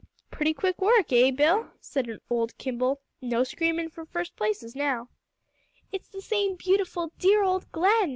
"Pretty quick work, eh, Bill?" said old man Kimball, "no screaming for first places now." "It's the same beautiful, dear old Glen!"